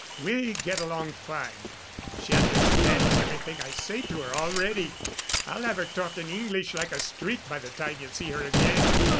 We get along fine. She understands everything I say to her already. I'll have her talking English like a streak by the time you see her again."